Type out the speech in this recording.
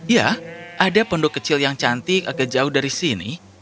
ya ada pondok kecil yang cantik agak jauh dari sini